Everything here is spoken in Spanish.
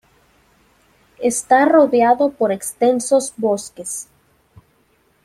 Está rodeado por extensos bosques.